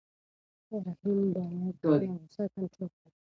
رحیم باید خپله غوسه کنټرول کړي.